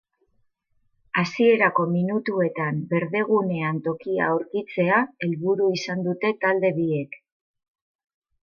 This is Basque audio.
Hasierako minutuetan berdegunean tokia aurkitzea helburu izan dute talde biek.